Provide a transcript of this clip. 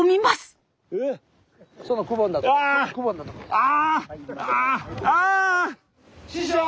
ああ！